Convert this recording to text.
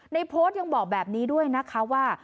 โพสต์ยังบอกแบบนี้ด้วยนะคะว่า